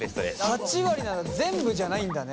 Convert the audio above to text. ８割なんだ全部じゃないんだね。